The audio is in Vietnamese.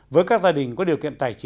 với các gia đình có điều